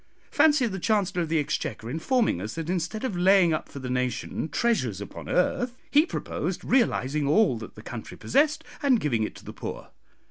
Fancy the Chancellor of the Exchequer informing us that instead of laying up for the nation treasures upon earth, he proposed realising all that the country possessed and giving it to the poor.